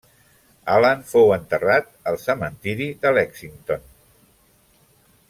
Allen fou enterrat al cementiri de Lexington.